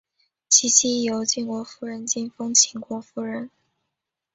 其妻亦由晋国夫人进封秦国夫人。